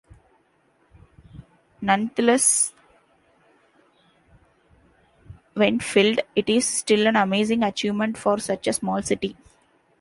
Nonetheless, when filled, it is still an amazing achievement for such a small city.